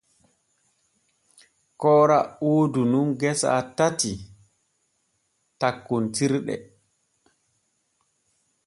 Koora woodu nun gesa kanje tati tokkontirɗe.